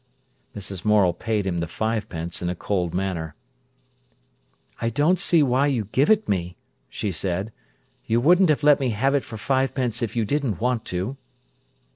Mrs. Morel paid him the fivepence in a cold manner. "I don't see you give it me," she said. "You wouldn't let me have it for fivepence if you didn't want to."